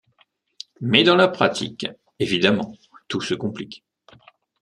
Mais dans la pratique, évidemment tout se complique...